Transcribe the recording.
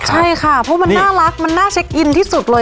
ใช่ค่ะเพราะมันน่ารักมันน่าเช็คอินที่สุดเลย